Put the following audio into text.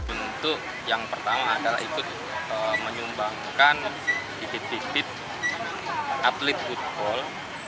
untuk yang pertama adalah ikut menyumbangkan titik titik atlet wood bowl